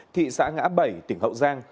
thị xã ngã bảy tỉnh hậu giang